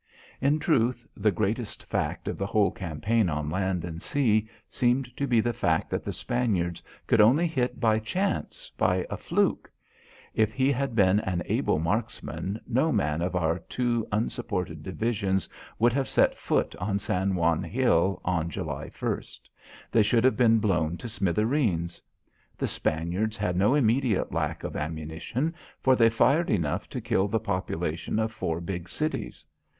In truth, the greatest fact of the whole campaign on land and sea seems to be the fact that the Spaniards could only hit by chance, by a fluke. If he had been an able marksman, no man of our two unsupported divisions would have set foot on San Juan hill on July 1. They should have been blown to smithereens. The Spaniards had no immediate lack of ammunition, for they fired enough to kill the population of four big cities.